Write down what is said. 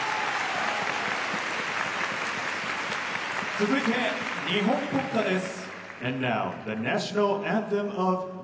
続いて日本国歌です。